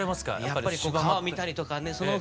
やっぱり川を見たりとかねその雰囲気。